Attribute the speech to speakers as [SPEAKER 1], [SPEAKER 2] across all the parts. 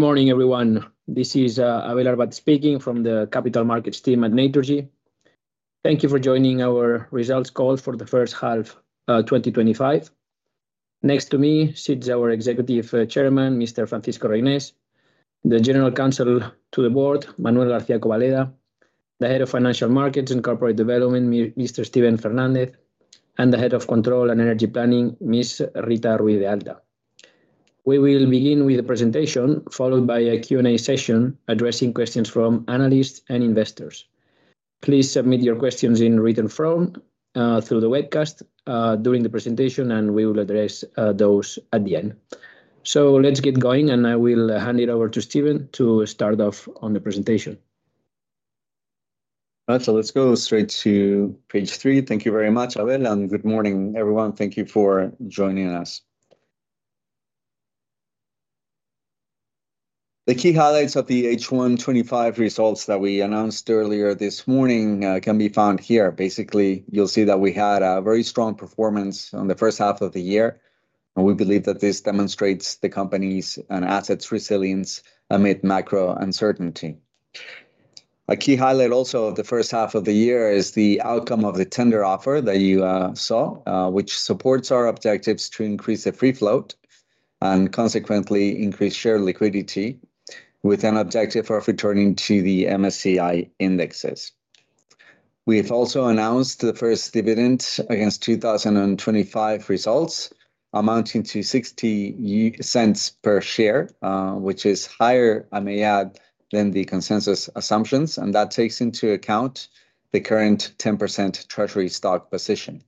[SPEAKER 1] Good morning, everyone. This is Abel Arbat speaking from the Capital Markets team at Naturgy. Thank you for joining our results call for the first half of 2025. Next to me sits our Executive Chairman, Mr. Francisco Reynés. The General Counsel to the Board, Manuel García Cobaleda. The Head of Financial Markets and Corporate Development, Mr. Steven Fernandez. And the Head of Control and Energy Planning, Ms. Rita Ruiz de Alda. We will begin with a presentation followed by a Q&A session addressing questions from analysts and investors. Please submit your questions in written form through the webcast during the presentation, and we will address those at the end. Let's get going, and I will hand it over to Steven to start off on the presentation.
[SPEAKER 2] Let's go straight to page three. Thank you very much, Abel. Good morning, everyone. Thank you for joining us. The key highlights of the H1 2025 results that we announced earlier this morning can be found here. Basically, you'll see that we had a very strong performance in the first half of the year. We believe that this demonstrates the company's assets' resilience amid macro uncertainty. A key highlight also of the first half of the year is the outcome of the tender offer that you saw, which supports our objectives to increase the free float and consequently increase share liquidity with an objective of returning to the MSCI indexes. We've also announced the first dividend against 2025 results amounting to 0.60 per share, which is higher, I may add, than the consensus assumptions. That takes into account the current 10% treasury stock position.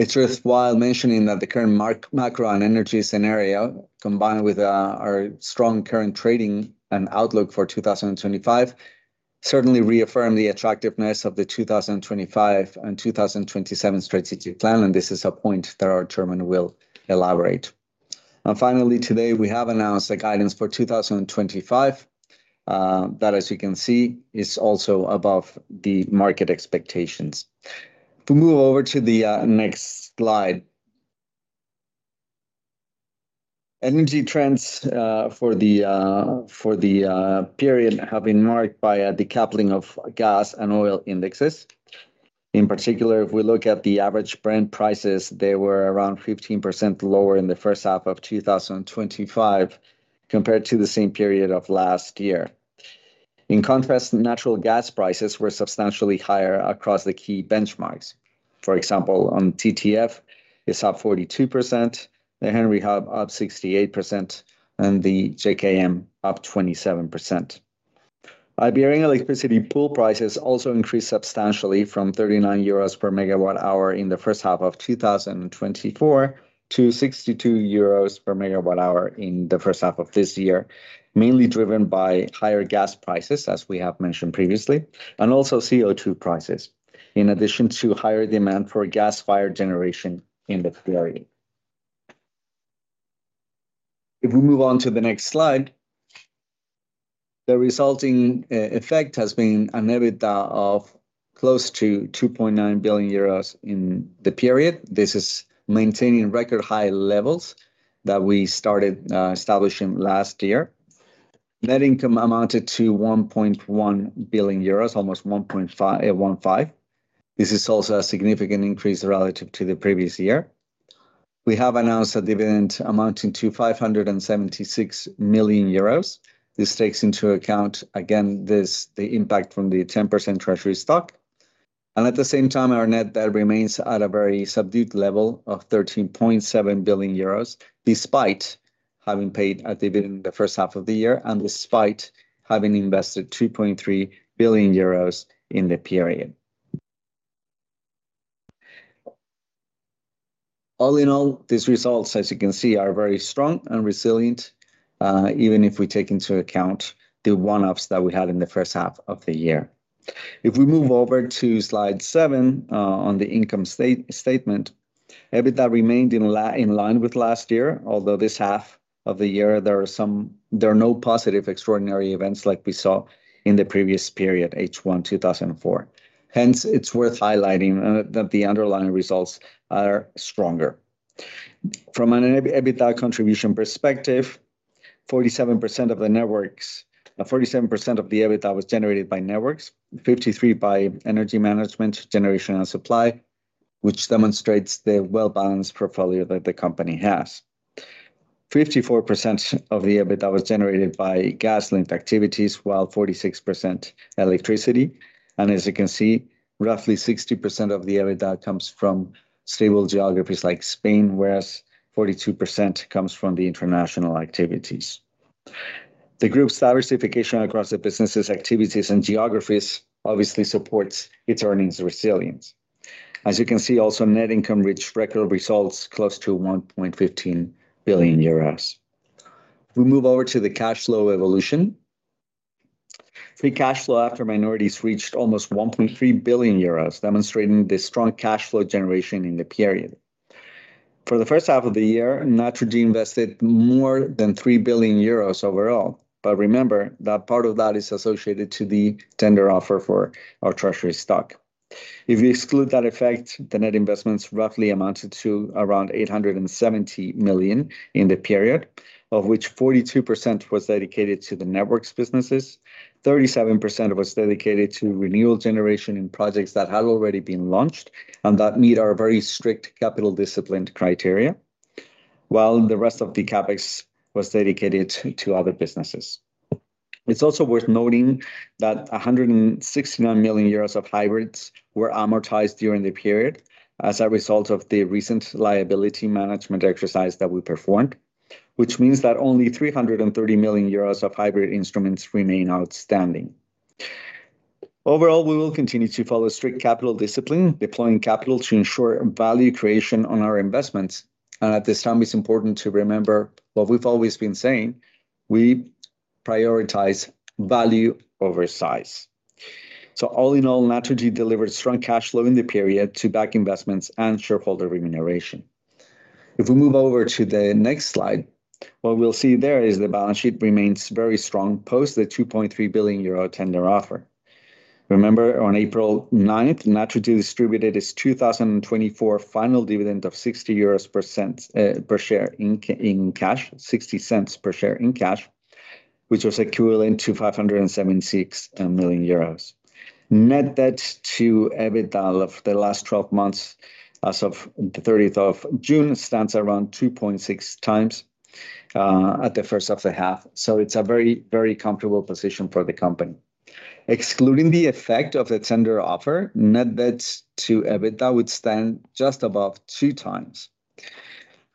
[SPEAKER 2] It's worthwhile mentioning that the current macro and energy scenario, combined with our strong current trading and outlook for 2025, certainly reaffirms the attractiveness of the 2025 and 2027 strategic plan. This is a point that our Chairman will elaborate. Finally, today, we have announced the guidance for 2025. That, as you can see, is also above the market expectations. To move over to the next slide. Energy trends for the period have been marked by the capping of gas and oil indexes. In particular, if we look at the average Brent prices, they were around 15% lower in the first half of 2025 compared to the same period of last year. In contrast, natural gas prices were substantially higher across the key benchmarks. For example, on TTF, it's up 42%, the Henry Hub up 68%, and the JKM up 27%. Iberian electricity pool prices also increased substantially from 39 euros per megawatt hour in the first half of 2024 to 62 euros per megawatt hour in the first half of this year, mainly driven by higher gas prices, as we have mentioned previously, and also CO2 prices, in addition to higher demand for gas-fired generation in the period. If we move on to the next slide. The resulting effect has been an EBITDA of close to 2.9 billion euros in the period. This is maintaining record high levels that we started establishing last year. Net income amounted to 1.1 billion euros, almost 1.15 billion. This is also a significant increase relative to the previous year. We have announced a dividend amounting to 576 million euros. This takes into account, again, the impact from the 10% treasury stock. At the same time, our net debt remains at a very subdued level of 13.7 billion euros, despite having paid a dividend in the first half of the year and despite having invested 2.3 billion euros in the period. All in all, these results, as you can see, are very strong and resilient, even if we take into account the one-offs that we had in the first half of the year. If we move over to slide seven on the income statement, EBITDA remained in line with last year, although this half of the year there are no positive extraordinary events like we saw in the previous period, H1 2024. Hence, it's worth highlighting that the underlying results are stronger. From an EBITDA contribution perspective, 47% of the networks, 47% of the EBITDA was generated by networks, 53% by energy management, generation, and supply, which demonstrates the well-balanced portfolio that the company has. 54% of the EBITDA was generated by gas linked activities, while 46% electricity. As you can see, roughly 60% of the EBITDA comes from stable geographies like Spain, whereas 42% comes from the international activities. The group's diversification across the businesses, activities, and geographies obviously supports its earnings resilience. As you can see, also net income reached record results close to 1.15 billion euros. We move over to the cash flow evolution. Free cash flow after minorities reached almost 1.3 billion euros, demonstrating the strong cash flow generation in the period. For the first half of the year, Naturgy invested more than 3 billion euros overall. Remember that part of that is associated with the tender offer for our treasury stock. If we exclude that effect, the net investments roughly amounted to around 870 million in the period, of which 42% was dedicated to the networks businesses, 37% was dedicated to renewal generation in projects that had already been launched and that meet our very strict capital discipline criteria, while the rest of the CapEx was dedicated to other businesses. It's also worth noting that 169 million euros of hybrids were amortized during the period as a result of the recent liability management exercise that we performed, which means that only 330 million euros of hybrid instruments remain outstanding. Overall, we will continue to follow strict capital discipline, deploying capital to ensure value creation on our investments. At this time, it's important to remember what we've always been saying. We prioritize value over size. All in all, Naturgy delivered strong cash flow in the period to back investments and shareholder remuneration. If we move over to the next slide, what we'll see there is the balance sheet remains very strong post the 2.3 billion euro tender offer. Remember, on April 9, Naturgy distributed its 2024 final dividend of 0.60 per share in cash, which was equivalent to 576 million euros. Net debt to EBITDA of the last 12 months as of the 30th of June stands around 2.6 times at the first of the half. It's a very, very comfortable position for the company. Excluding the effect of the tender offer, net debt to EBITDA would stand just above two times.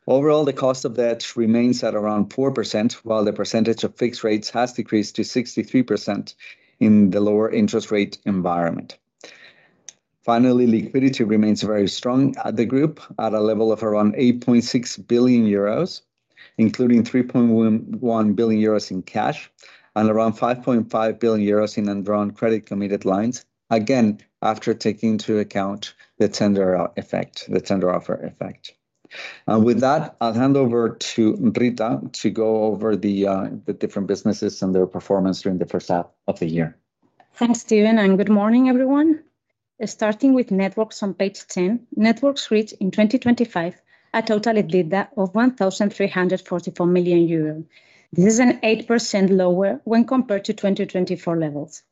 [SPEAKER 2] Overall, the cost of debt remains at around 4%, while the percentage of fixed rates has decreased to 63% in the lower interest rate environment. Finally, liquidity remains very strong at the group at a level of around 8.6 billion euros, including 3.1 billion euros in cash and around 5.5 billion euros in environmental credit committed lines, again, after taking into account the tender offer effect. With that, I'll hand over to Rita to go over the different businesses and their performance during the first half of the year.
[SPEAKER 3] Thanks, Steven. Good morning, everyone. Starting with networks on page ten, networks reached in 2025 a total EBITDA of 1,344 million euros. This is 8% lower when compared to 2024 levels,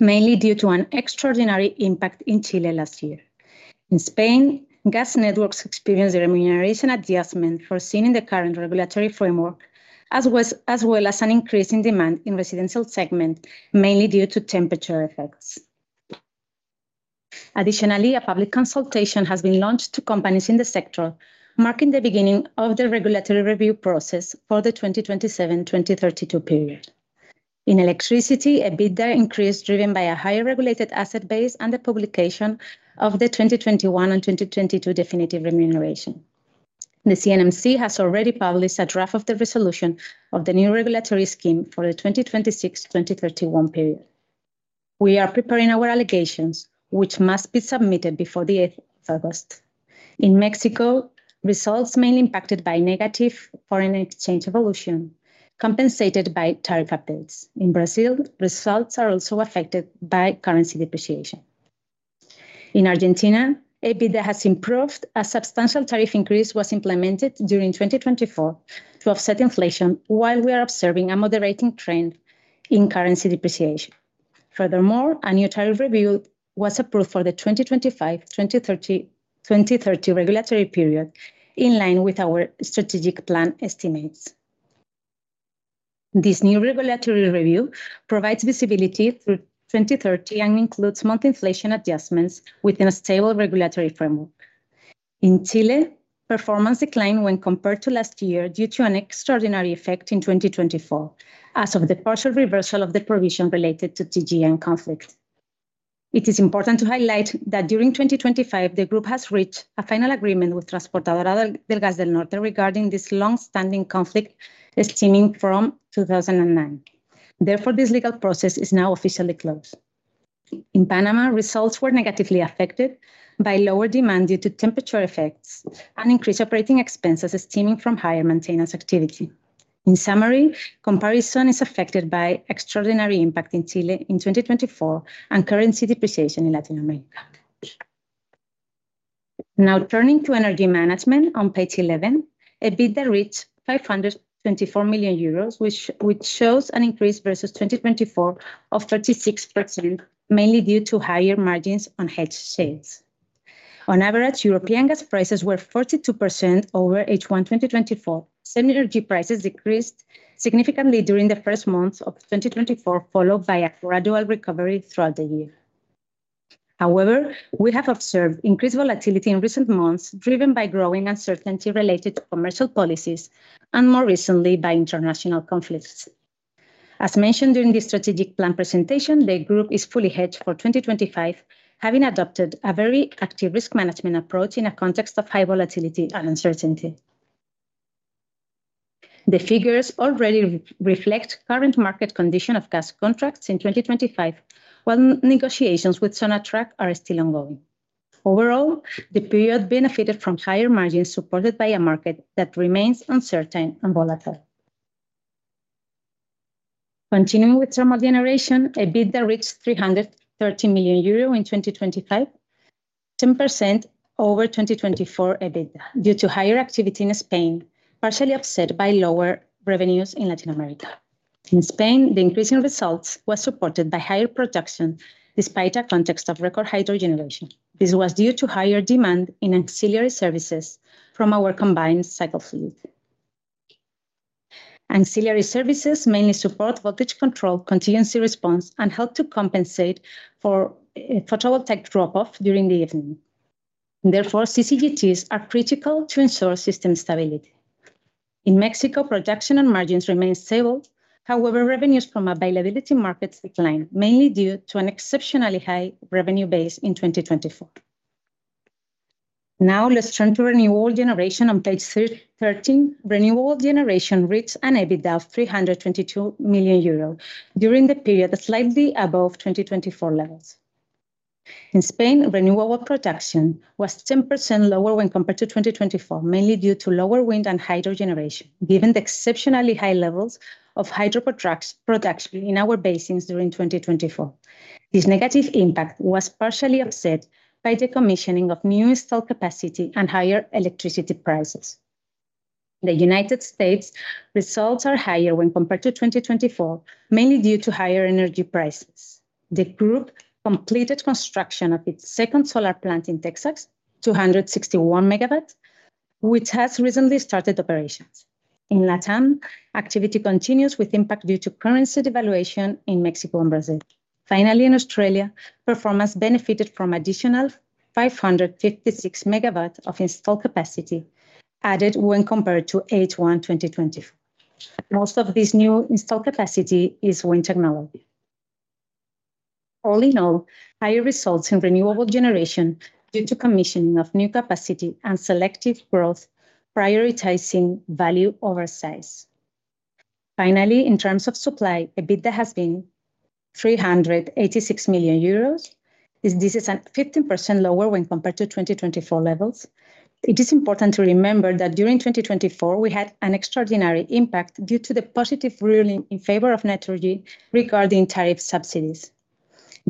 [SPEAKER 3] mainly due to an extraordinary impact in Chile last year. In Spain, gas networks experienced a remuneration adjustment foreseen in the current regulatory framework, as well as an increase in demand in the residential segment, mainly due to temperature effects. Additionally, a public consultation has been launched to companies in the sector, marking the beginning of the regulatory review process for the 2027-2032 period. In electricity, EBITDA increase is driven by a higher regulated asset base and the publication of the 2021 and 2022 definitive remuneration. The CNMC has already published a draft of the resolution of the new regulatory scheme for the 2026-2031 period. We are preparing our allegations, which must be submitted before the 8th of August. In Mexico, results mainly impacted by negative foreign exchange evolution compensated by tariff updates. In Brazil, results are also affected by currency depreciation. In Argentina, EBITDA has improved as a substantial tariff increase was implemented during 2024 to offset inflation, while we are observing a moderating trend in currency depreciation. Furthermore, a new tariff review was approved for the 2025-2030 regulatory period, in line with our strategic plan estimates. This new regulatory review provides visibility through 2030 and includes monthly inflation adjustments within a stable regulatory framework. In Chile, performance declined when compared to last year due to an extraordinary effect in 2024 as of the partial reversal of the provision related to TGN conflict. It is important to highlight that during 2025, the group has reached a final agreement with Transportadora de Gas del Norte regarding this longstanding conflict stemming from 2009. Therefore, this legal process is now officially closed. In Panama, results were negatively affected by lower demand due to temperature effects and increased operating expenses stemming from higher maintenance activity. In summary, comparison is affected by extraordinary impact in Chile in 2024 and currency depreciation in Latin America. Now turning to energy management on page eleven, EBITDA reached 524 million euros, which shows an increase versus 2024 of 36%, mainly due to higher margins on hedge sales. On average, European gas prices were 42% over H1 2024. Same energy prices decreased significantly during the first month of 2024, followed by a gradual recovery throughout the year. However, we have observed increased volatility in recent months, driven by growing uncertainty related to commercial policies and, more recently, by international conflicts. As mentioned during the strategic plan presentation, the group is fully hedged for 2025, having adopted a very active risk management approach in a context of high volatility and uncertainty. The figures already reflect the current market condition of gas contracts in 2025, while negotiations with Sonatrack are still ongoing. Overall, the period benefited from higher margins supported by a market that remains uncertain and volatile. Continuing with thermal generation, EBITDA reached 330 million euro in 2025. 10% over 2024 EBITDA due to higher activity in Spain, partially offset by lower revenues in Latin America. In Spain, the increase in results was supported by higher production despite a context of record hydrogeneration. This was due to higher demand in auxiliary services from our combined cycle field. Auxiliary services mainly support voltage control, contingency response, and help to compensate for photovoltaic drop-off during the evening. Therefore, CCGTs are critical to ensure system stability. In Mexico, production and margins remain stable. However, revenues from availability markets declined, mainly due to an exceptionally high revenue base in 2024. Now let's turn to renewable generation on page 13. Renewable generation reached an EBITDA of 322 million euros during the period, slightly above 2024 levels. In Spain, renewable production was 10% lower when compared to 2024, mainly due to lower wind and hydrogeneration, given the exceptionally high levels of hydroproduction in our basins during 2024. This negative impact was partially offset by the commissioning of new installed capacity and higher electricity prices. In the United States, results are higher when compared to 2024, mainly due to higher energy prices. The group completed construction of its second solar plant in Texas, 261 MW, which has recently started operations. In LATAM, activity continues with impact due to currency devaluation in Mexico and Brazil. Finally, in Australia, performance benefited from additional 556 megawatts of installed capacity added when compared to H1 2024. Most of this new installed capacity is wind technology. All in all, higher results in renewable generation due to commissioning of new capacity and selective growth, prioritizing value over size. Finally, in terms of supply, EBITDA has been 386 million euros. This is 15% lower when compared to 2024 levels. It is important to remember that during 2024, we had an extraordinary impact due to the positive ruling in favor of Naturgy regarding tariff subsidies.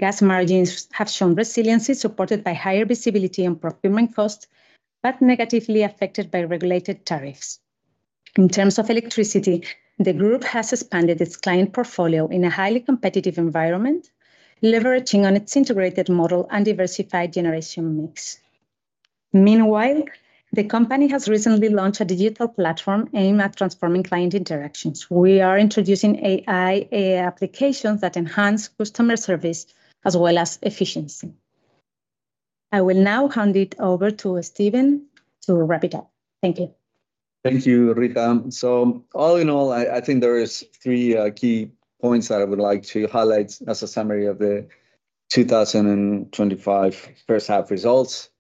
[SPEAKER 3] Gas margins have shown resiliency supported by higher visibility and procurement costs, but negatively affected by regulated tariffs. In terms of electricity, the group has expanded its client portfolio in a highly competitive environment, leveraging on its integrated model and diversified generation mix. Meanwhile, the company has recently launched a digital platform aimed at transforming client interactions. We are introducing AI applications that enhance customer service as well as efficiency. I will now hand it over to Steven to wrap it up. Thank you.
[SPEAKER 2] Thank you, Rita. All in all, I think there are three key points that I would like to highlight as a summary of the 2025 first half results.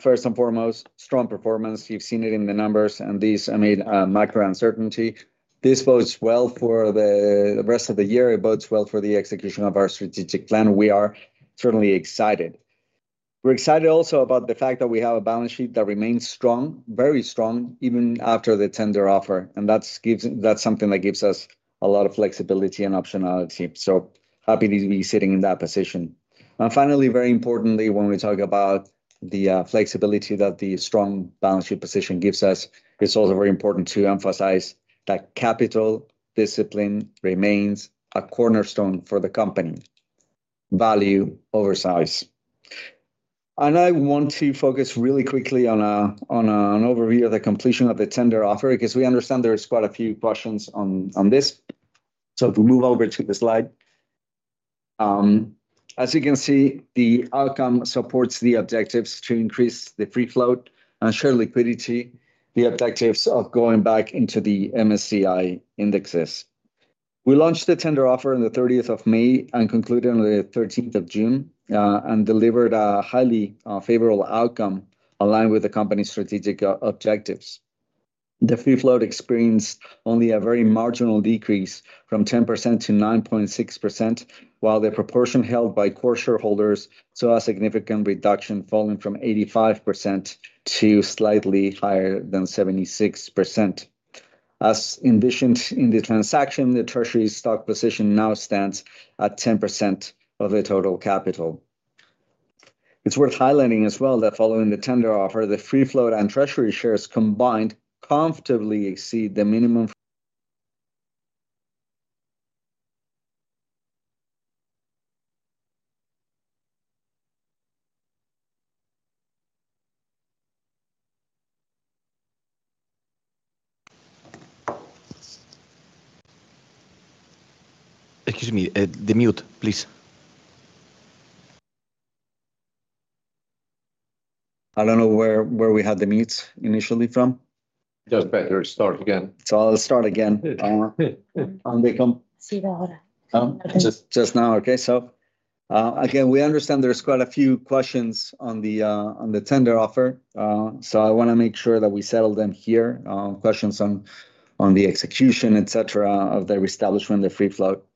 [SPEAKER 2] First and foremost, strong performance. You've seen it in the numbers, and this amid macro uncertainty. This bodes well for the rest of the year. It bodes well for the execution of our strategic plan. We are certainly excited. We're excited also about the fact that we have a balance sheet that remains strong, very strong, even after the tender offer. That's something that gives us a lot of flexibility and optionality. Happy to be sitting in that position. Finally, very importantly, when we talk about the flexibility that the strong balance sheet position gives us, it's also very important to emphasize that capital discipline remains a cornerstone for the company. Value over size. I want to focus really quickly on an overview of the completion of the tender offer because we understand there are quite a few questions on this. If we move over to the slide. As you can see, the outcome supports the objectives to increase the free float and share liquidity, the objectives of going back into the MSCI indexes. We launched the tender offer on the 30th of May and concluded on the 13th of June and delivered a highly favorable outcome aligned with the company's strategic objectives. The free float experienced only a very marginal decrease from 10% to 9.6%, while the proportion held by core shareholders saw a significant reduction falling from 85% to slightly higher than 76%. As envisioned in the transaction, the treasury stock position now stands at 10% of the total capital. It's worth highlighting as well that following the tender offer, the free float and treasury shares combined comfortably exceed the minimum.
[SPEAKER 4] Excuse me, the mute, please.
[SPEAKER 2] I don't know where we had the mutes initially from.
[SPEAKER 4] Just better start again.
[SPEAKER 2] I'll start again.
[SPEAKER 4] They come.
[SPEAKER 3] See that.
[SPEAKER 2] Just now. Okay. Again, we understand there's quite a few questions on the tender offer. I want to make sure that we settle them here. Questions on the execution, etc., of the reestablishment of the free float.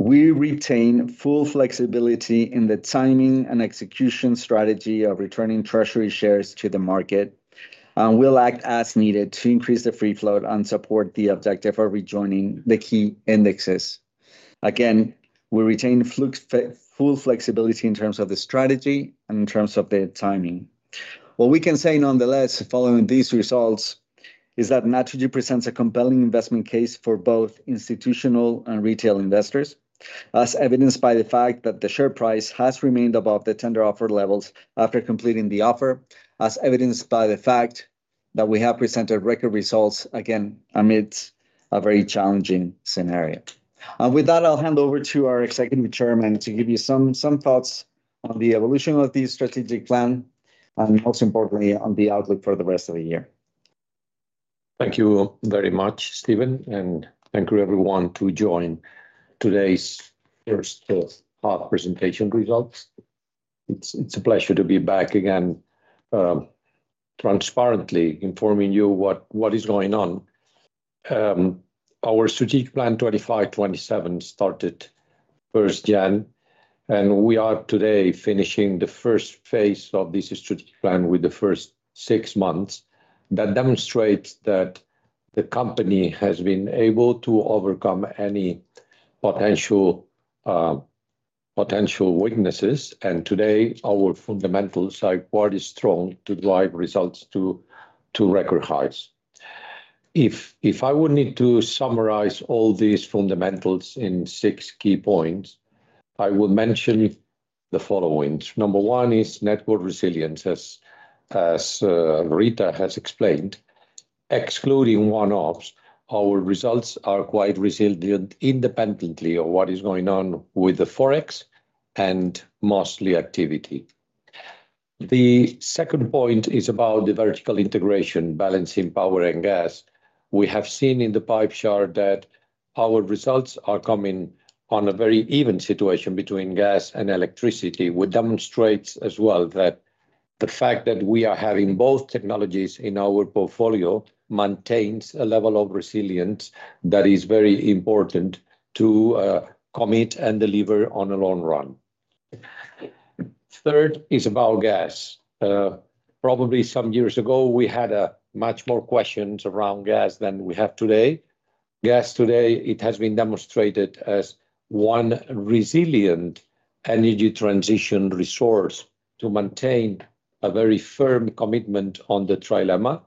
[SPEAKER 2] We retain full flexibility in the timing and execution strategy of returning treasury shares to the market. We'll act as needed to increase the free float and support the objective of rejoining the key indexes. Again, we retain full flexibility in terms of the strategy and in terms of the timing. What we can say nonetheless, following these results, is that Naturgy presents a compelling investment case for both institutional and retail investors, as evidenced by the fact that the share price has remained above the tender offer levels after completing the offer, as evidenced by the fact that we have presented record results again amidst a very challenging scenario. With that, I'll hand over to our Executive Chairman to give you some thoughts on the evolution of the strategic plan and, most importantly, on the outlook for the rest of the year.
[SPEAKER 4] Thank you very much, Steven, and thank you everyone to join today's first half presentation results. It's a pleasure to be back again. Transparently informing you what is going on. Our strategic plan 2025-2027 started January 1, and we are today finishing the first phase of this strategic plan with the first six months that demonstrates that the company has been able to overcome any potential weaknesses. Today, our fundamentals are quite strong to drive results to record highs. If I would need to summarize all these fundamentals in six key points, I will mention the following. Number one is network resilience, as Rita has explained. Excluding one-offs, our results are quite resilient independently of what is going on with the forex and mostly activity. The second point is about the vertical integration, balancing power and gas. We have seen in the pie chart that our results are coming on a very even situation between gas and electricity, which demonstrates as well that the fact that we are having both technologies in our portfolio maintains a level of resilience that is very important to commit and deliver on a long run. Third is about gas. Probably some years ago, we had much more questions around gas than we have today. Gas today, it has been demonstrated as one resilient energy transition resource to maintain a very firm commitment on the trilemma.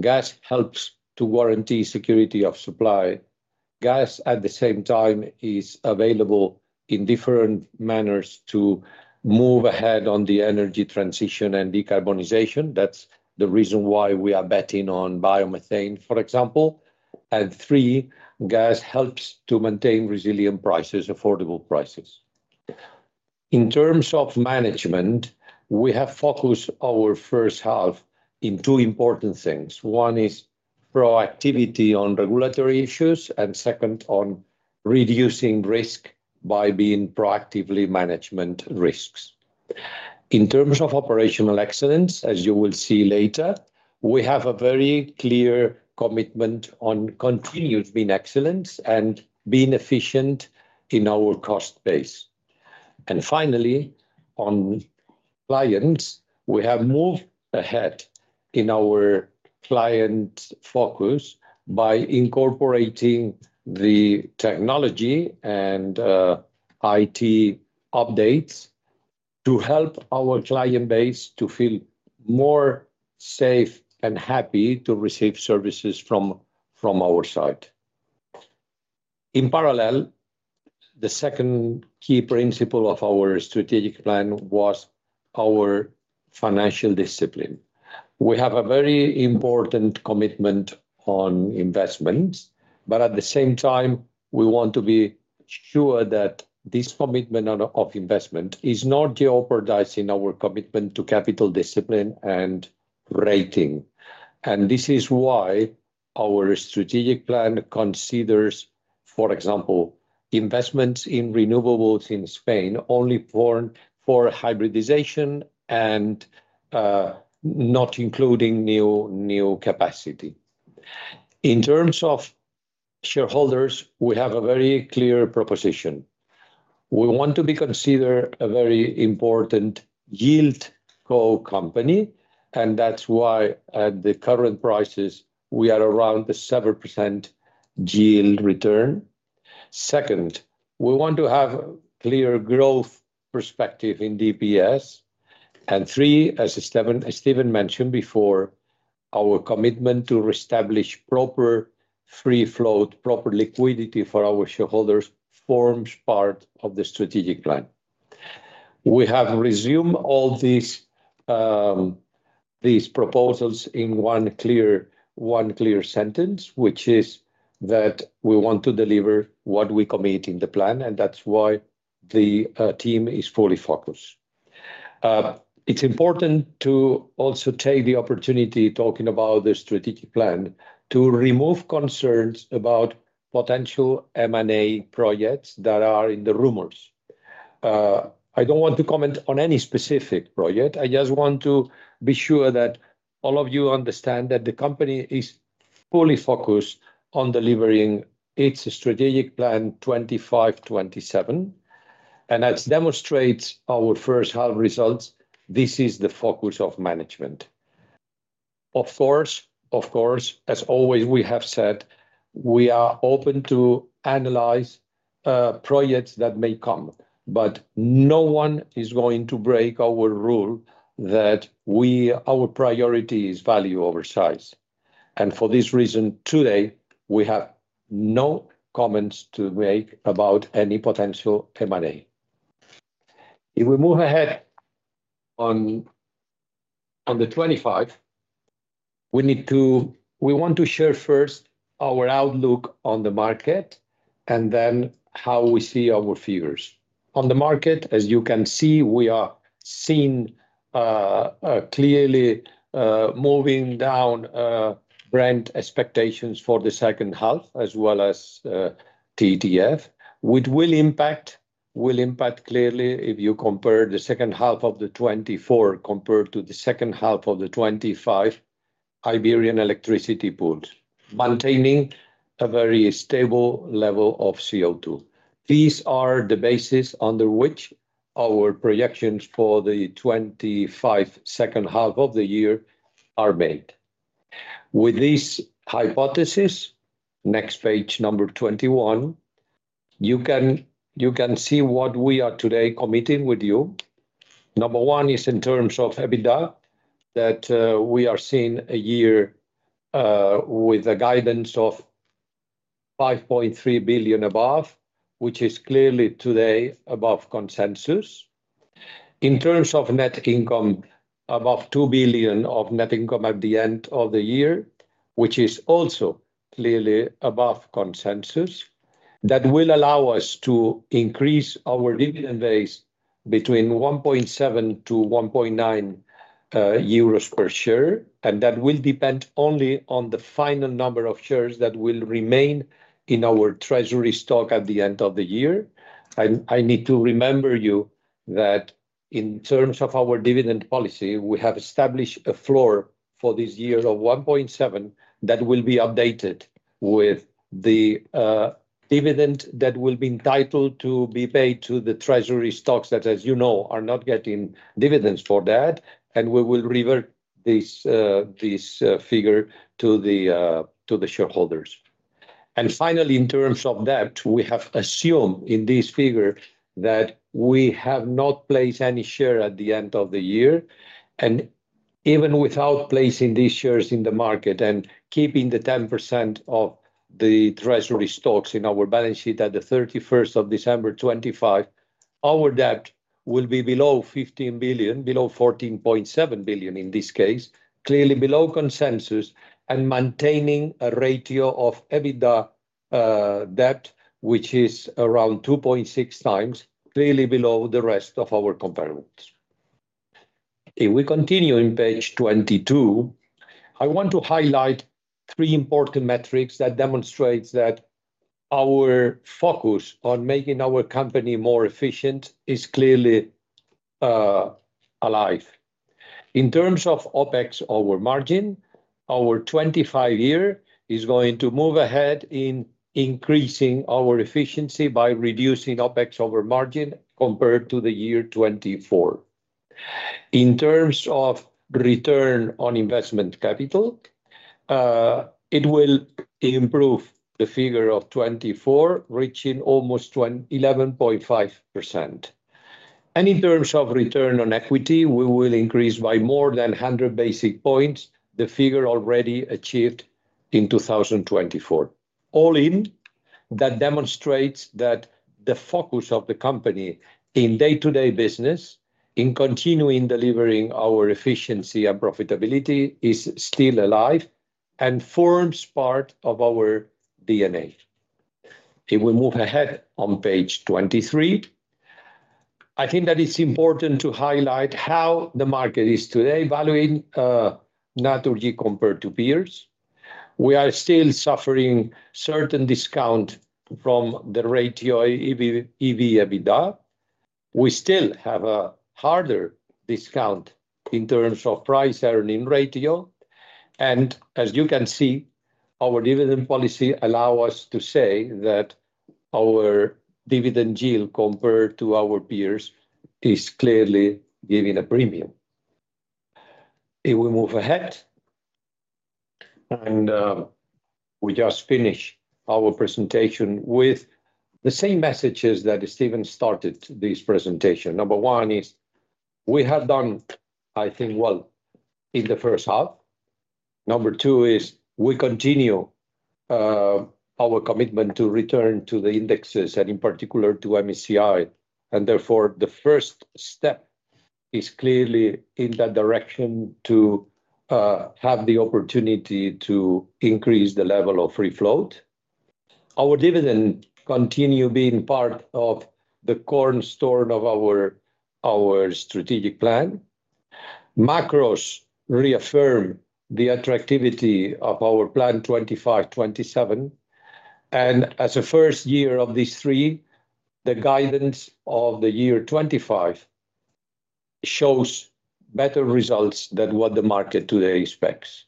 [SPEAKER 4] Gas helps to guarantee security of supply. Gas, at the same time, is available in different manners to move ahead on the energy transition and decarbonization. That's the reason why we are betting on biomethane, for example. And three, gas helps to maintain resilient prices, affordable prices. In terms of management, we have focused our first half on two important things. One is proactivity on regulatory issues and second on reducing risk by being proactively management risks. In terms of operational excellence, as you will see later, we have a very clear commitment on continued being excellent and being efficient in our cost base. Finally, on clients, we have moved ahead in our client focus by incorporating the technology and IT updates to help our client base to feel more safe and happy to receive services from our side. In parallel, the second key principle of our strategic plan was our financial discipline. We have a very important commitment on investments, but at the same time, we want to be sure that this commitment of investment is not jeopardizing our commitment to capital discipline and rating. This is why our strategic plan considers, for example, investments in renewables in Spain only for hybridization and not including new capacity. In terms of shareholders, we have a very clear proposition. We want to be considered a very important yield core company, and that's why at the current prices, we are around the 7% yield return. Second, we want to have a clear growth perspective in DPS. Three, as Steven mentioned before, our commitment to reestablish proper free float, proper liquidity for our shareholders forms part of the strategic plan. We have resumed all these proposals in one clear sentence, which is that we want to deliver what we commit in the plan, and that's why the team is fully focused. It's important to also take the opportunity, talking about the strategic plan, to remove concerns about potential M&A projects that are in the rumors. I don't want to comment on any specific project. I just want to be sure that all of you understand that the company is fully focused on delivering its strategic plan 2025-2027. As demonstrates our first half results, this is the focus of management. Of course, as always, we have said we are open to analyze projects that may come, but no one is going to break our rule that our priority is value over size. For this reason, today, we have no comments to make about any potential M&A. If we move ahead on the 25th, we want to share first our outlook on the market and then how we see our figures. On the market, as you can see, we are seeing clearly moving down rent expectations for the second half as well as TTF, which will impact clearly if you compare the second half of 2024 compared to the second half of 2025. Iberian electricity pools maintaining a very stable level of CO2. These are the basis under which our projections for the 2025 second half of the year are made. With this hypothesis, next page number 21, you can see what we are today committing with you. Number one is in terms of EBITDA that we are seeing a year with a guidance of 5.3 billion above, which is clearly today above consensus. In terms of net income, above 2 billion of net income at the end of the year, which is also clearly above consensus, that will allow us to increase our dividend base between 1.7-1.9 euros per share, and that will depend only on the final number of shares that will remain in our treasury stock at the end of the year. I need to remember you that in terms of our dividend policy, we have established a floor for this year of 1.7 that will be updated with the dividend that will be entitled to be paid to the treasury stocks that, as you know, are not getting dividends for that, and we will revert this figure to the shareholders. Finally, in terms of debt, we have assumed in this figure that we have not placed any share at the end of the year. Even without placing these shares in the market and keeping the 10% of the treasury stocks in our balance sheet at the 31st of December 2025, our debt will be below 15 billion, below 14.7 billion in this case, clearly below consensus, and maintaining a ratio of EBITDA debt, which is around 2.6 times, clearly below the rest of our components. If we continue on page 22, I want to highlight three important metrics that demonstrate that our focus on making our company more efficient is clearly alive. In terms of OpEx over margin, our 2025 year is going to move ahead in increasing our efficiency by reducing OpEx over margin compared to the year 2024. In terms of return on invested capital, it will improve the figure of 2024, reaching almost 11.5%. In terms of return on equity, we will increase by more than 100 basis points the figure already achieved in 2024. All in, that demonstrates that the focus of the company in day-to-day business in continuing delivering our efficiency and profitability is still alive and forms part of our DNA. If we move ahead on page 23, I think that it is important to highlight how the market is today valuing Naturgy compared to peers. We are still suffering certain discount from the ratio EV/EBITDA. We still have a harder discount in terms of price-earnings ratio. As you can see, our dividend policy allows us to say that our dividend yield compared to our peers is clearly giving a premium. We just finish our presentation with the same messages that Steven started this presentation. Number one is we have done, I think, well in the first half. Number two is we continue our commitment to return to the indexes and in particular to MSCI. Therefore, the first step is clearly in that direction to have the opportunity to increase the level of free float. Our dividend continues being part of the cornerstone of our strategic plan. Macros reaffirm the attractivity of our plan 2025-2027. As a first year of these three, the guidance of the year 2025 shows better results than what the market today expects.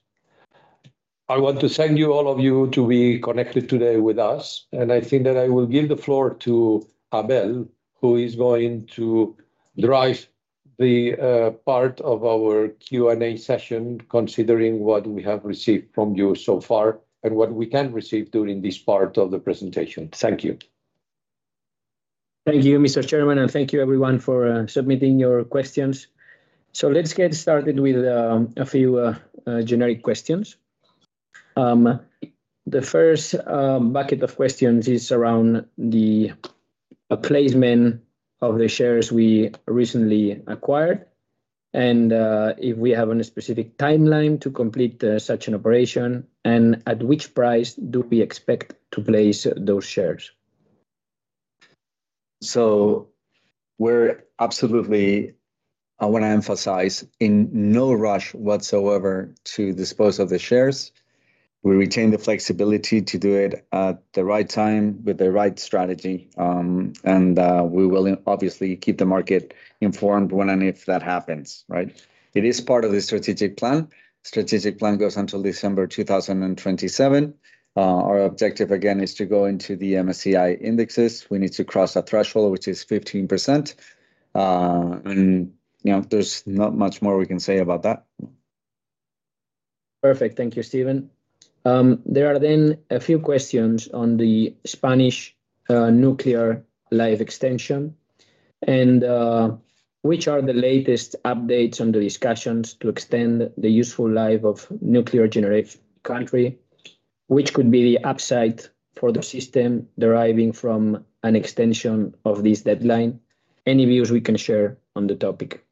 [SPEAKER 4] I want to thank all of you to be connected today with us, and I think that I will give the floor to Abel, who is going to drive the part of our Q&A session, considering what we have received from you so far and what we can receive during this part of the presentation. Thank you.
[SPEAKER 1] Thank you, Mr. Chairman, and thank you, everyone, for submitting your questions. Let's get started with a few generic questions. The first bucket of questions is around the placement of the shares we recently acquired and if we have a specific timeline to complete such an operation, and at which price do we expect to place those shares.
[SPEAKER 2] We absolutely want to emphasize, in no rush whatsoever, to dispose of the shares. We retain the flexibility to do it at the right time with the right strategy. We will obviously keep the market informed when and if that happens, right? It is part of the strategic plan. The strategic plan goes until December 2027. Our objective, again, is to go into the MSCI indexes. We need to cross a threshold, which is 15%. There is not much more we can say about that.
[SPEAKER 1] Perfect. Thank you, Steven. There are then a few questions on the Spanish nuclear life extension. Which are the latest updates on the discussions to extend the useful life of nuclear-generated country, which could be the upside for the system deriving from an extension of this deadline? Any views we can share on the topic?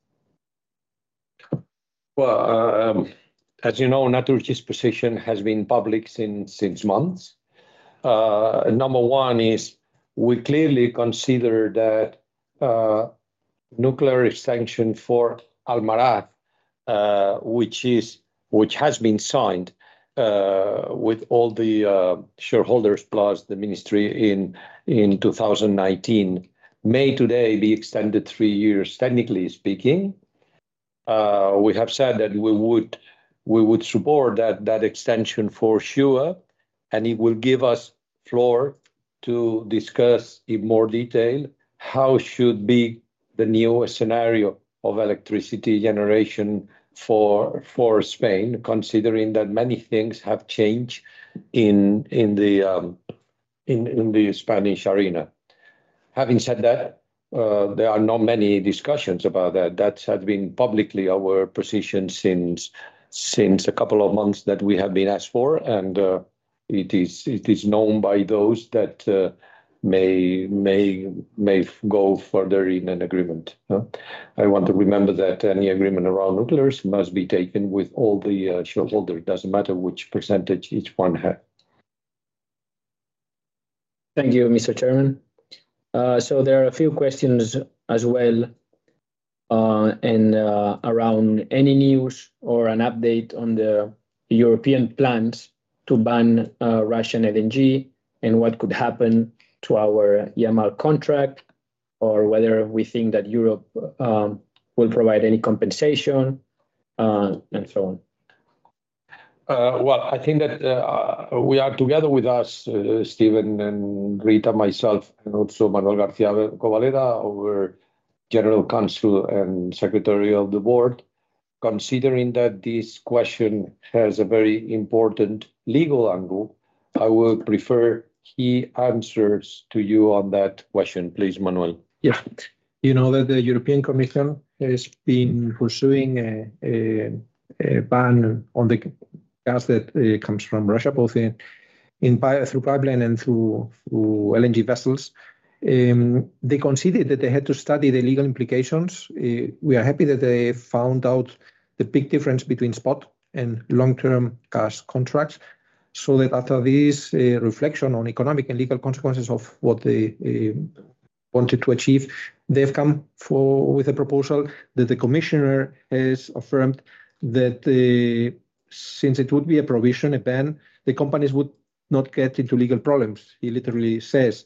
[SPEAKER 4] Naturgy's position has been public since months. Number one is we clearly consider that nuclear extension for Almarad, which has been signed with all the shareholders plus the ministry in 2019, may today be extended three years, technically speaking. We have said that we would support that extension for sure, and it will give us floor to discuss in more detail how should be the new scenario of electricity generation for Spain, considering that many things have changed in the Spanish arena. Having said that, there are not many discussions about that. That has been publicly our position since a couple of months that we have been asked for, and it is known by those that may go further in an agreement. I want to remember that any agreement around nuclears must be taken with all the shareholders. It does not matter which percentage each one has.
[SPEAKER 1] Thank you, Mr. Chairman. There are a few questions as well around any news or an update on the European plans to ban Russian LNG and what could happen to our YAML contract, or whether we think that Europe will provide any compensation, and so on.
[SPEAKER 4] I think that we are together with us, Steven and Rita, myself, and also Manuel García Cobaleda, our General Counsel and Secretary of the Board. Considering that this question has a very important legal angle, I would prefer he answers to you on that question. Please, Manuel.
[SPEAKER 5] Yeah. You know that the European Commission has been pursuing a ban on the gas that comes from Russia, both through pipeline and through LNG vessels. They considered that they had to study the legal implications. We are happy that they found out the big difference between spot and long-term gas contracts. After this reflection on economic and legal consequences of what they wanted to achieve, they have come with a proposal that the Commissioner has affirmed that since it would be a provision, a ban, the companies would not get into legal problems. He literally says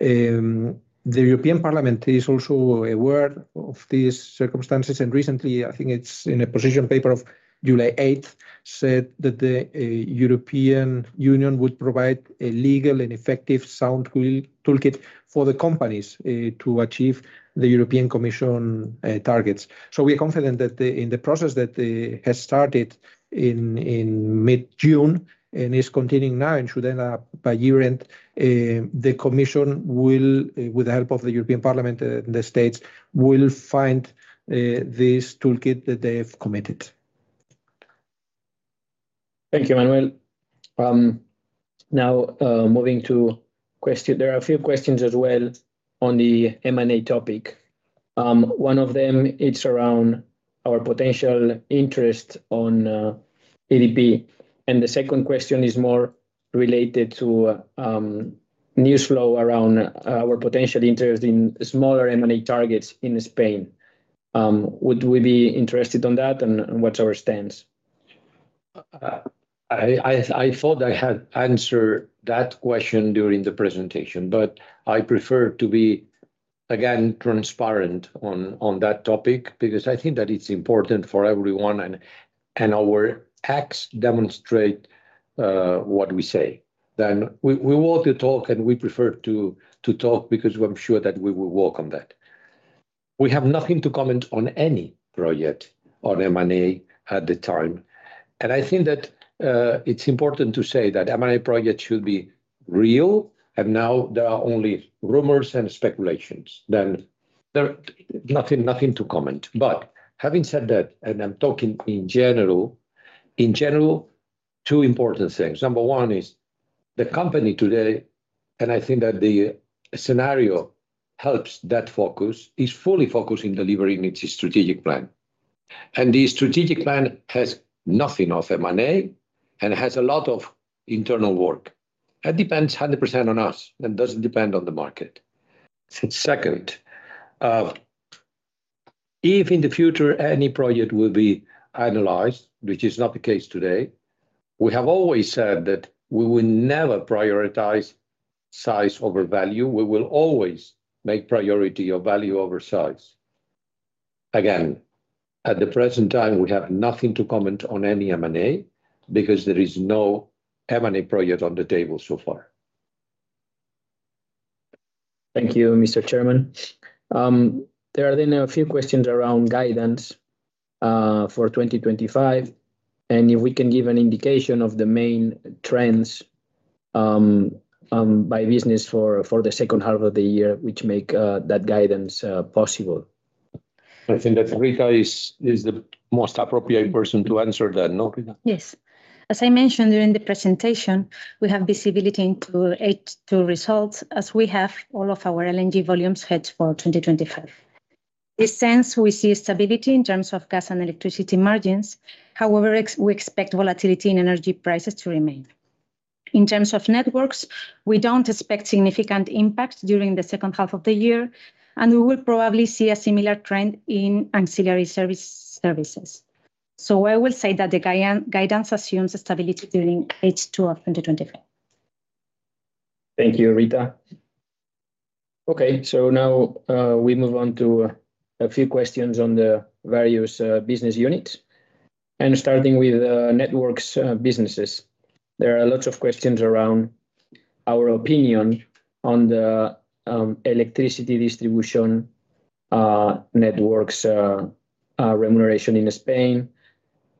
[SPEAKER 5] the European Parliament is also aware of these circumstances. Recently, I think it is in a position paper of July 8th, said that the. European Union would provide a legal and effective sound toolkit for the companies to achieve the European Commission targets. We are confident that in the process that has started in mid-June and is continuing now and should end up by year-end, the Commission, with the help of the European Parliament and the states, will find this toolkit that they have committed.
[SPEAKER 1] Thank you, Manuel. Now, moving to question, there are a few questions as well on the M&A topic. One of them is around our potential interest on EDP. The second question is more related to new flow around our potential interest in smaller M&A targets in Spain. Would we be interested in that, and what's our stance?
[SPEAKER 4] I thought I had answered that question during the presentation, but I prefer to be, again, transparent on that topic because I think that it's important for everyone, and our acts demonstrate what we say. We want to talk, and we prefer to talk because I'm sure that we will work on that. We have nothing to comment on any project on M&A at the time. I think that it's important to say that M&A projects should be real, and now there are only rumors and speculations. Nothing to comment. Having said that, and I'm talking in general, in general, two important things. Number one is the company today, and I think that the scenario helps that focus, is fully focused in delivering its strategic plan. The strategic plan has nothing of M&A and has a lot of internal work that depends 100% on us. That doesn't depend on the market. Second, if in the future any project will be analyzed, which is not the case today, we have always said that we will never prioritize size over value. We will always make priority of value over size. Again, at the present time, we have nothing to comment on any M&A because there is no M&A project on the table so far.
[SPEAKER 1] Thank you, Mr. Chairman. There are then a few questions around guidance for 2025, and if we can give an indication of the main trends by business for the second half of the year, which make that guidance possible.
[SPEAKER 4] I think that Rita is the most appropriate person to answer that, no?
[SPEAKER 3] Yes. As I mentioned during the presentation, we have visibility into H2 results as we have all of our LNG volumes hedged for 2025. In this sense, we see stability in terms of gas and electricity margins. However, we expect volatility in energy prices to remain. In terms of networks, we don't expect significant impact during the second half of the year, and we will probably see a similar trend in ancillary services. I will say that the guidance assumes stability during H2 of 2025.
[SPEAKER 1] Thank you, Rita. Okay, now we move on to a few questions on the various business units. Starting with networks businesses, there are lots of questions around our opinion on the electricity distribution networks remuneration in Spain.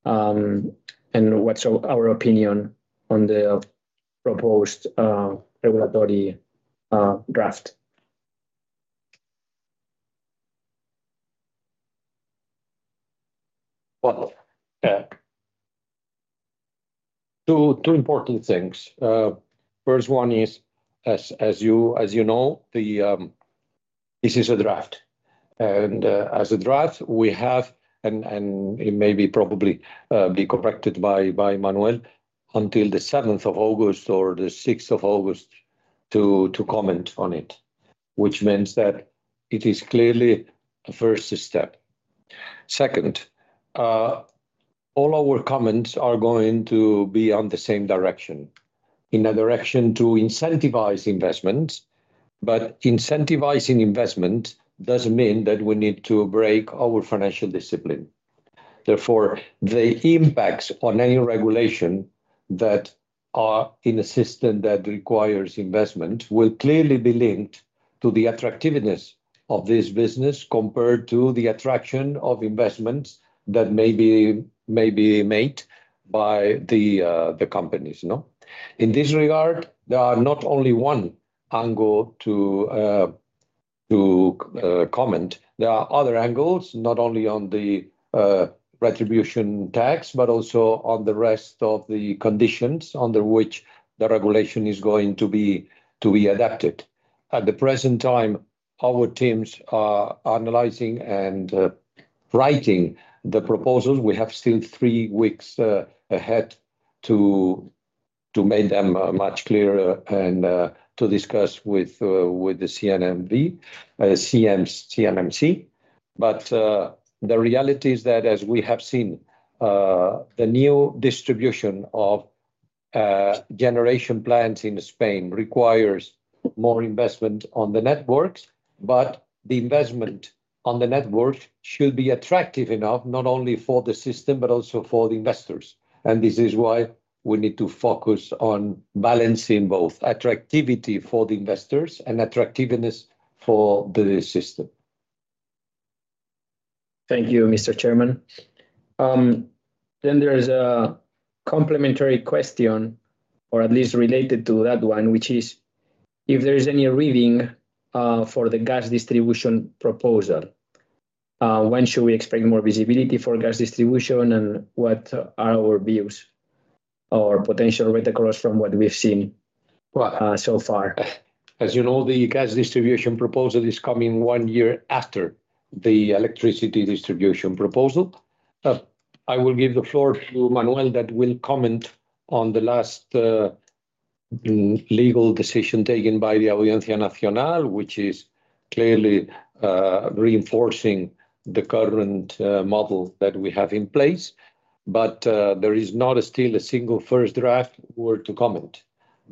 [SPEAKER 1] What is our opinion on the proposed regulatory draft?
[SPEAKER 4] Two important things. First one is, as you know, this is a draft, and as a draft, we have, and it may probably be corrected by Manuel, until the 7th of August or the 6th of August to comment on it, which means that it is clearly a first step. Second, all our comments are going to be on the same direction, in a direction to incentivize investments, but incentivizing investments does not mean that we need to break our financial discipline. Therefore, the impacts on any regulation that are in a system that requires investments will clearly be linked to the attractiveness of this business compared to the attraction of investments that may be made by the companies. In this regard, there are not only one angle to comment. There are other angles, not only on the retribution tax, but also on the rest of the conditions under which the regulation is going to be adapted. At the present time, our teams are analyzing and writing the proposals. We have still three weeks ahead to make them much clearer and to discuss with the CNMC. The reality is that, as we have seen, the new distribution of generation plants in Spain requires more investment on the networks, but the investment on the networks should be attractive enough, not only for the system, but also for the investors. This is why we need to focus on balancing both attractivity for the investors and attractiveness for the system.
[SPEAKER 1] Thank you, Mr. Chairman. There is a complementary question, or at least related to that one, which is if there is any reading for the gas distribution proposal. When should we expect more visibility for gas distribution, and what are our views or potential rate across from what we have seen so far?
[SPEAKER 4] As you know, the gas distribution proposal is coming one year after the electricity distribution proposal. I will give the floor to Manuel that will comment on the last legal decision taken by the Audiencia Nacional, which is clearly reinforcing the current model that we have in place. There is not still a single first draft worth to comment.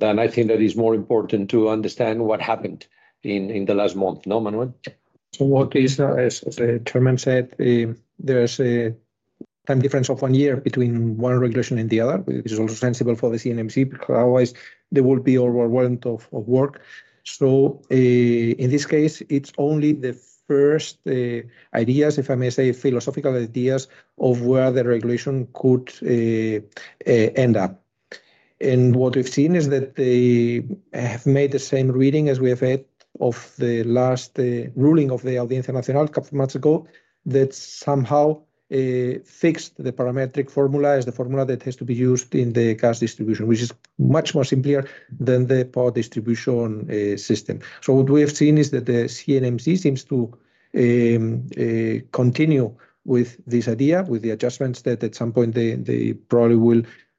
[SPEAKER 4] I think that is more important to understand what happened in the last month, no? Manuel?
[SPEAKER 5] As the Chairman said, there is a time difference of one year between one regulation and the other. This is also sensible for the CNMC. Otherwise, there would be overwhelmed of work. In this case, it is only the first ideas, if I may say, philosophical ideas of where the regulation could end up. What we have seen is that they have made the same reading as we have had of the last ruling of the Audiencia Nacional a couple of months ago that somehow. Fixed the parametric formula as the formula that has to be used in the gas distribution, which is much more simple than the power distribution system. What we have seen is that the CNMC seems to continue with this idea, with the adjustments that at some point they probably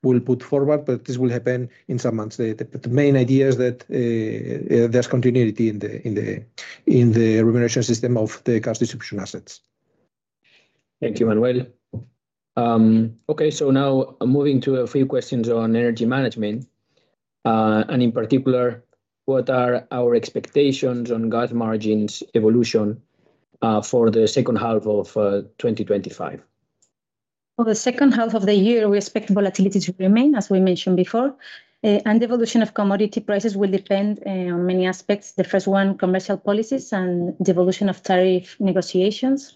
[SPEAKER 5] will put forward, but this will happen in some months. The main idea is that there is continuity in the remuneration system of the gas distribution assets.
[SPEAKER 1] Thank you, Manuel. Okay, now moving to a few questions on energy management. In particular, what are our expectations on gas margins evolution for the second half of 2025?
[SPEAKER 3] For the second half of the year, we expect volatility to remain, as we mentioned before. The evolution of commodity prices will depend on many aspects. The first one, commercial policies and the evolution of tariff negotiations.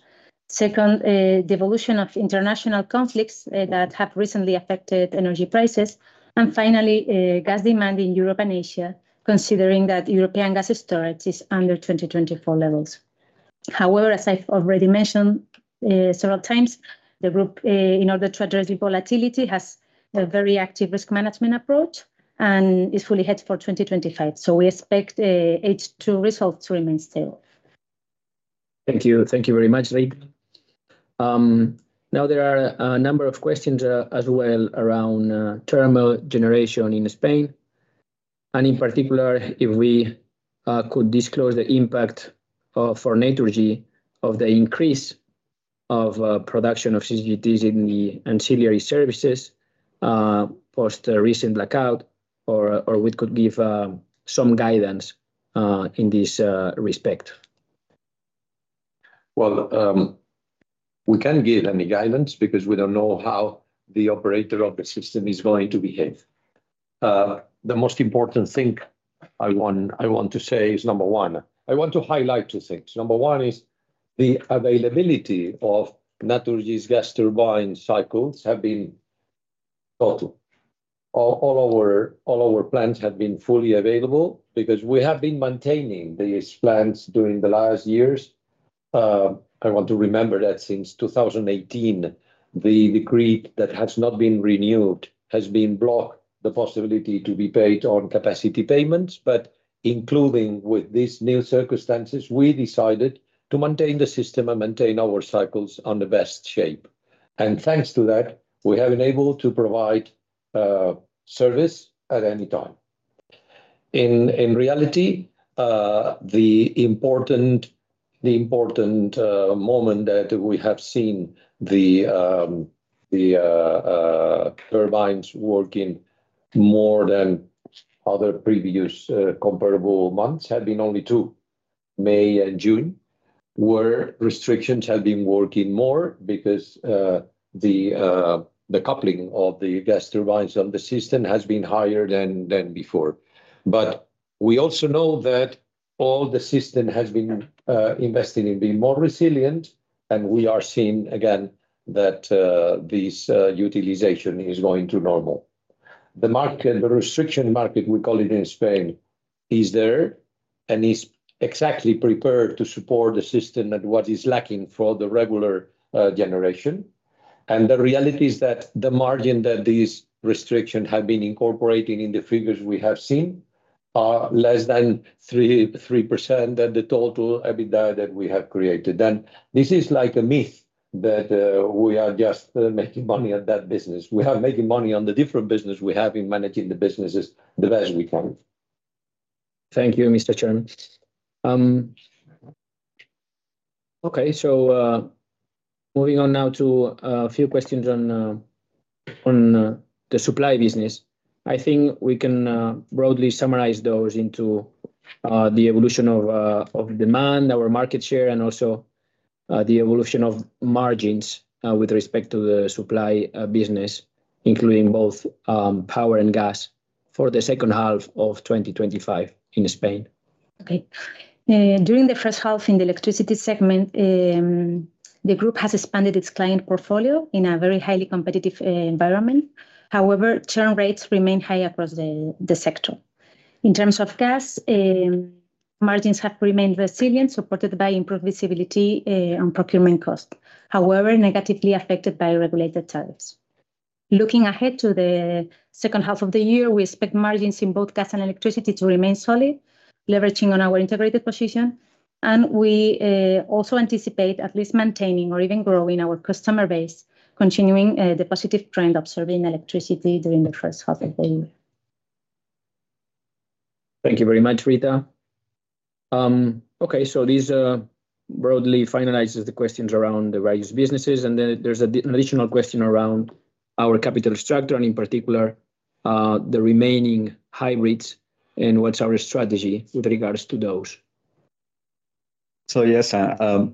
[SPEAKER 3] Second, the evolution of international conflicts that have recently affected energy prices. Finally, gas demand in Europe and Asia, considering that European gas storage is under 2024 levels. However, as I have already mentioned several times, the group, in order to address the volatility, has a very active risk management approach and is fully hedged for 2025. We expect H2 results to remain stable.
[SPEAKER 1] Thank you. Thank you very much, Rita. Now, there are a number of questions as well around thermal generation in Spain. In particular, if we could disclose the impact for Naturgy of the increase of production of CCGTs in the ancillary services post the recent blackout, or if we could give some guidance in this respect.
[SPEAKER 4] We cannot give any guidance because we do not know how the operator of the system is going to behave. The most important thing I want to say is, number one, I want to highlight two things. Number one is the availability of Naturgy's gas turbine cycles has been total. All our plants have been fully available because we have been maintaining these plants during the last years. I want to remember that since 2018, the grid that has not been renewed has blocked the possibility to be paid on capacity payments. Including with these new circumstances, we decided to maintain the system and maintain our cycles in the best shape. Thanks to that, we have been able to provide service at any time. In reality, the important moment that we have seen the turbines working more than other previous comparable months has been only two, May and June, where restrictions have been working more because the coupling of the gas turbines on the system has been higher than before. We also know that all the system has been invested in being more resilient, and we are seeing, again, that this utilization is going to normal. The restriction market, we call it in Spain, is there and is exactly prepared to support the system and what is lacking for the regular generation. The reality is that the margin that these restrictions have been incorporating in the figures we have seen are less than 0.3% of the total EBITDA that we have created. This is like a myth that we are just making money at that business. We are making money on the different business we have in managing the businesses the best we can.
[SPEAKER 1] Thank you, Mr. Chairman. Okay, moving on now to a few questions on the supply business. I think we can broadly summarize those into the evolution of demand, our market share, and also the evolution of margins with respect to the supply business, including both power and gas for the second half of 2025 in Spain.
[SPEAKER 3] During the first half in the electricity segment, the group has expanded its client portfolio in a very highly competitive environment. However, churn rates remain high across the sector. In terms of gas, margins have remained resilient, supported by improved visibility on procurement costs, however, negatively affected by regulated tariffs. Looking ahead to the second half of the year, we expect margins in both gas and electricity to remain solid, leveraging on our integrated position. We also anticipate at least maintaining or even growing our customer base, continuing the positive trend observed in electricity during the first half of the year.
[SPEAKER 1] Thank you very much, Rita. Okay, this broadly finalizes the questions around the various businesses. There is an additional question around our capital structure and, in particular, the remaining hybrids and what is our strategy with regards to those.
[SPEAKER 2] Yes,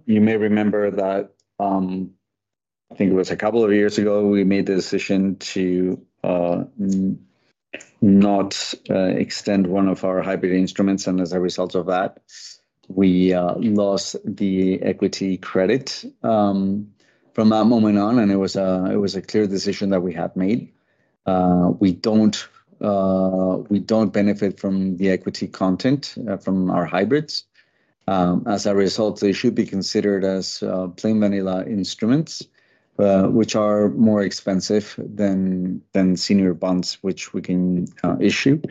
[SPEAKER 2] you may remember that I think it was a couple of years ago we made the decision to not extend one of our hybrid instruments. As a result of that, we lost the equity credit from that moment on, and it was a clear decision that we had made. We do not benefit from the equity content from our hybrids. As a result, they should be considered as plain vanilla instruments, which are more expensive than senior bonds which we can issue.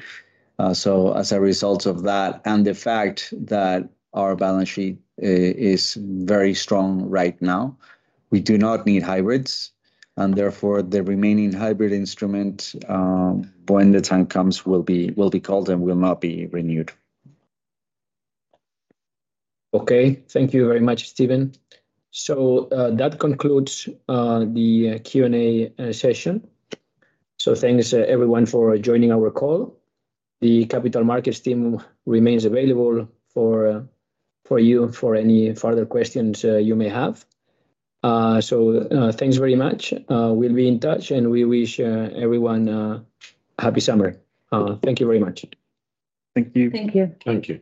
[SPEAKER 2] As a result of that and the fact that our balance sheet is very strong right now, we do not need hybrids. Therefore, the remaining hybrid instrument, when the time comes, will be called and will not be renewed.
[SPEAKER 1] Okay, thank you very much, Steven. That concludes the Q&A session. Thanks, everyone, for joining our call. The capital markets team remains available for you for any further questions you may have. Thanks very much. We will be in touch, and we wish everyone a happy summer. Thank you very much.
[SPEAKER 2] Thank you.
[SPEAKER 3] Thank you.
[SPEAKER 4] Thank you.